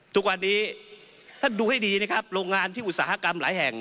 ทุกวันนี้ท่านดูให้ดีนะครับโรงงานที่อุตสาหกรรมหลายแห่ง